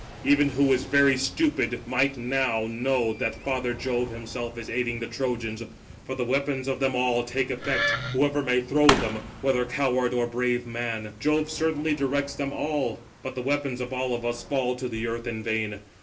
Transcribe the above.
even he who is very stupid might now know that father Jove himself is aiding the Trojans; for the weapons of them all take effect, whoever may throw them, whether coward or brave man. Jove certainly directs them all. But the weapons of all of us fall to the earth in vain.